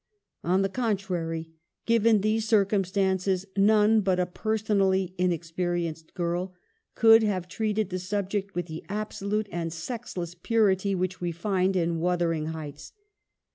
On the con trary, given these circumstances, none but a personally inexperienced girl could have treated the subject with the absolute and sexless purity which we find in ' Wuthering Heights.'